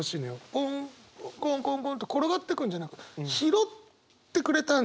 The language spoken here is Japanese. ポンコンコンコンと転がってくんじゃなくて拾ってくれたんだ。